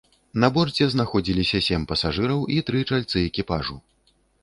На борце знаходзіліся сем пасажыраў і тры чальцы экіпажу.